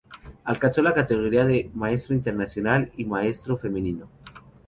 Alcanzó la categoría de maestro internacional y Gran Maestro Femenino.